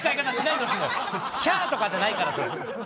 キャー！とかじゃないからそれ。